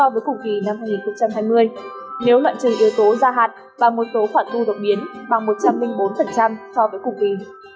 nếu luận trừ yếu tố gia hạt và mối tố khoản thu độc biến bằng một trăm linh bốn so với cục kỳ